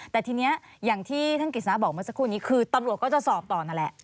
แต่ทีนี้อย่างที่ท่านกฤษณะบอกเมื่อสักครู่นี้คือตำรวจก็จะสอบต่อนั่นแหละ